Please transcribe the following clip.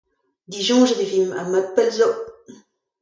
Disoñjet e vimp, ha mat pell 'zo.